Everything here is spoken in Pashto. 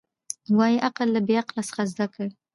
وايي عقل له بې عقله څخه زده کېږي.